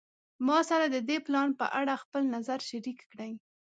ما سره د دې پلان په اړه خپل نظر شریک کړی